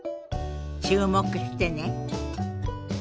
注目してね。